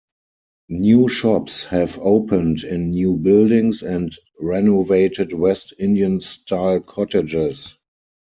New shops have opened in new buildings and renovated West Indian-style cottages.